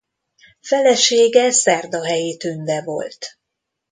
Felesége Szerdahelyi Tünde volt.